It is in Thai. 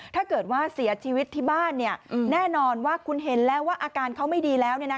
ถ้าเกิดว่าเสียชีวิตที่บ้านแน่นอนว่าคุณเห็นแล้วว่าอาการเขาไม่ดีแล้ว